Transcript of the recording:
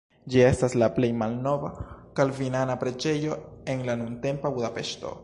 Ĝi estas la plej malnova kalvinana preĝejo en la nuntempa Budapeŝto.